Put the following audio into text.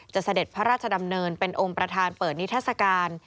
เสด็จพระราชดำเนินเป็นองค์ประธานเปิดนิทัศกาล